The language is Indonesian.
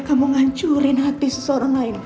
kamu ngancurin hati seseorang lain